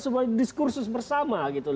supaya diskursus bersama